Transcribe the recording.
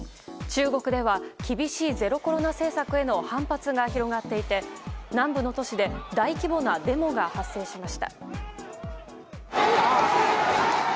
中国では厳しいゼロコロナ政策への反発が広がっていて南部の都市で大規模なデモが発生しました。